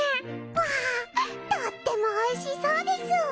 わぁとってもおいしそうです。